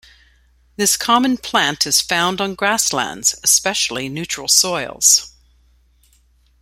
This common plant is found on grasslands, especially on neutral soils.